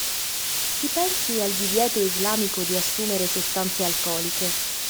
Si pensi al divieto islamico di assumere sostanze alcoliche.